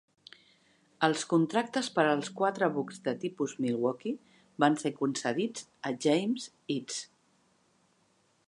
Els contractes per als quatre bucs de tipus "Milwaukee" van ser concedits a James Eads.